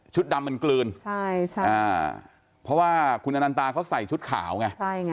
ดำมันกลืนใช่ใช่อ่าเพราะว่าคุณอนันตาเขาใส่ชุดขาวไงใช่ไง